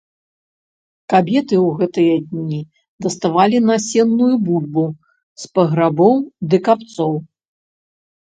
Кабеты ў гэтыя дні даставалі насенную бульбу з паграбоў ды капцоў.